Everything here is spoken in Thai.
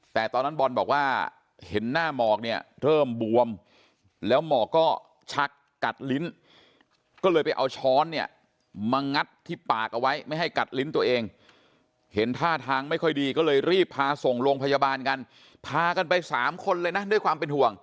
แต่ตอนนั้นบอลบอกว่าเห็นหน้าหมอกเนี่ยเริ่มบวมแล้วหมอกก็ชักกัดลิ้นก็เลยไปเอาช้อนเนี่ยมางัดที่ปากเอาไว้ไม่ให้กัดลิ้นตัวเองเห็นท่าทางไม่ค่อยดีก็เลยรีบพาส่งโรงพยาบาลกันพากันไปสามคนเลยนะด้วยความเป็นห่วง